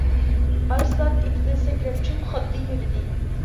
ئارسلان ئېتىدىن سەكرەپ چۈشۈپ خاننى يۆلىدى.